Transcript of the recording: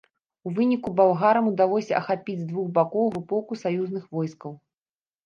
У выніку балгарам ўдалося ахапіць з двух бакоў групоўку саюзных войскаў.